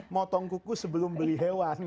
motong kuku sebelum beli hewan